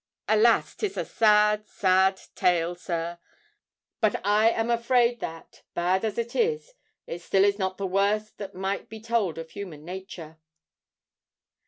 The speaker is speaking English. Alas! 'tis a sad—sad tale, sir; but I am afraid that, bad as it is, it still is not the worst that might be told of human nature."